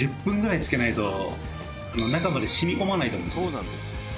そうなんですよ。